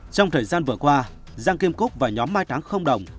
trong thời gian vừa qua giang kim cúc và nhóm mai táng không đồng